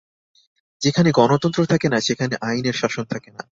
যেখানে গণতন্ত্র থাকে না, সেখানে আইনের শাসন থাকে না।